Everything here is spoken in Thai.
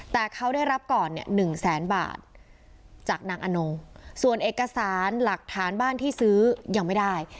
แต่เขาได้รับก่อนเนี่ย๑แสนบาทจากนางอนงส่วนเอกสารหลักฐานบ้านที่ซื้อยังไม่ได้